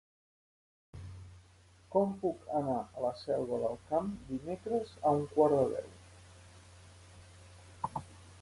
Com puc anar a la Selva del Camp dimecres a un quart de deu?